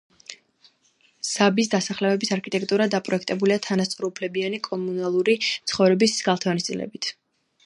მზაბის დასახლებების არქიტექტურა დაპროექტებულია თანასწორუფლებიანი კომუნალური ცხოვრების გათვალისწინებით.